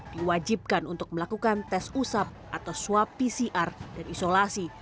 diwajibkan untuk melakukan tes usap atau swab pcr dan isolasi